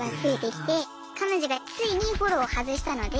彼女がついにフォローを外したので。